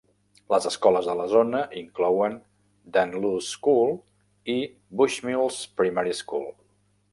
Les escoles de la zona inclouen Dunluce School i Bushmills Primary School.